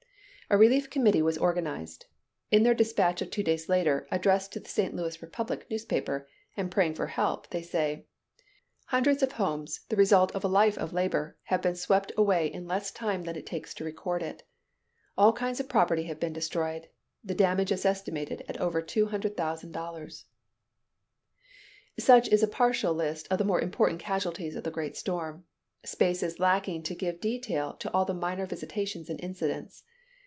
A relief committee was organized. In their dispatch of two days later, addressed to the St. Louis Republic newspaper, and praying for help, they say: "Hundreds of homes, the result of a life of labor, have been swept away in less time than it takes to record it. All kinds of property have been destroyed. The damage is estimated at over $200,000." [Illustration: PATH OF TORNADO OLNEY, ILL.] Such is a partial list of the more important casualties of the great storm. Space is lacking to give detail to all the minor visitations and incidents.